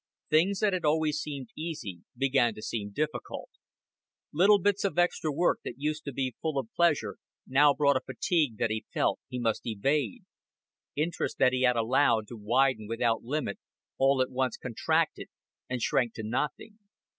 Things that had always seemed easy began to seem difficult; little bits of extra work that used to be full of pleasure now brought a fatigue that he felt he must evade; interests that he had allowed to widen without limit all at once contracted and shrank to nothing.